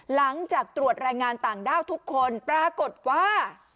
หลังจากตรวจแรงงานต่างด้าวทุกคนปรากฏว่า